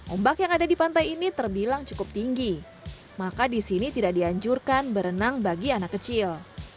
ombak yang ada di pantai ini terbilang cukup tinggi maka di sini tidak dianjurkan berenang bagi anak kecil